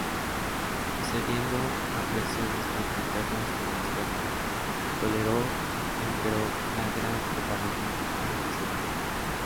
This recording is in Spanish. Cediendo a presiones tanto internas como externas, toleró, empero, la gran propaganda antisemita.